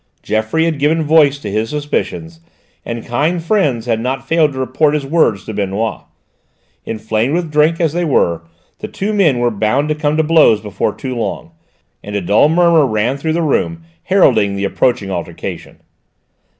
Geoffroy had given voice to his suspicions, and kind friends had not failed to report his words to Benoît. Inflamed with drink as they were, the two men were bound to come to blows before long, and a dull murmur ran through the room heralding the approaching altercation.